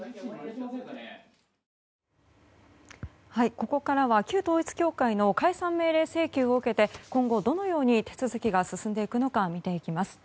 ここからは旧統一教会の解散命令請求を受けて今後、どのように手続きが進んでいくのか見ていきます。